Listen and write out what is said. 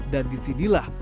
dan di sinilah